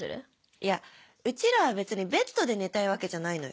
いやうちらは別にベッドで寝たいわけじゃないのよ。